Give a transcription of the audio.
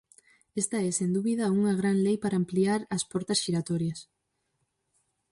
Esta é, sen dúbida, unha gran lei para ampliar as portas xiratorias.